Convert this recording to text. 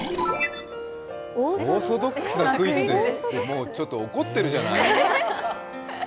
オーソドックスなクイズって、もうちょっと怒ってるじゃない。